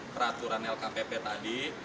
peraturan lkpp tadi